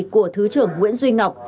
của thứ trưởng nguyễn duy ngọc